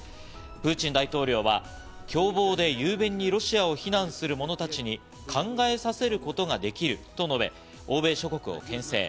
プーチン大統領は凶暴で雄弁にロシアを非難する者たちに考えさせることができると述べ、欧米諸国を牽制。